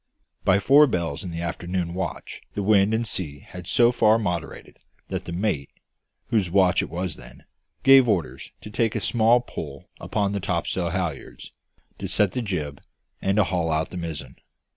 By four bells in the afternoon watch the wind and sea had so far moderated that the mate, whose watch it then was, gave orders to take a small pull upon the topsail halliards, to set the jib, and to haul out the mizzen.